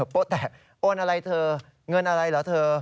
โป๊ะแตะโอนอะไรเธอเงินอะไรเหรอเธอ